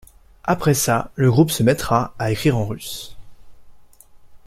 Après ça, le groupe se mettra à écrire en russe.